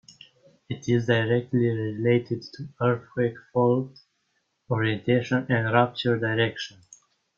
It is directly related to earthquake fault orientation and rupture direction.